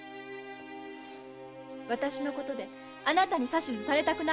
私のことであなたに指図されたくないの！